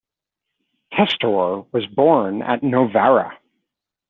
Testore was born at Novara.